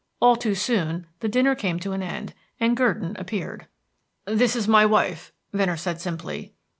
All too soon the dinner came to an end, and Gurdon appeared. "This is my wife," Venner said simply.